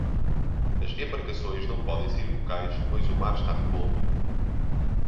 As embarcações não podem sair do cais, pois o mar está revolto.